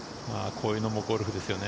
こういうのもゴルフですよね。